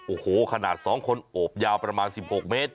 โอ้โหขนาดสองคนโอบยาวประมาณสิบหกเมตร